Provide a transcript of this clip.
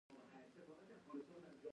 د سروبي باغونه انار لري.